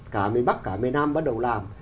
cả miền bắc cả miền nam bắt đầu làm